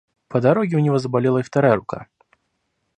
По дороге у него заболела и вторая рука.